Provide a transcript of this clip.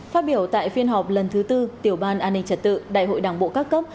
phát biểu tại phiên họp lần thứ tư tiểu ban an ninh trật tự đại hội đảng bộ các cấp